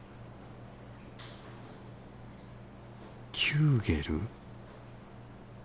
キューゲル？